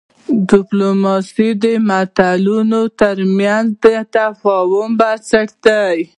ډیپلوماسي د ملتونو ترمنځ د تفاهم بنسټ دی.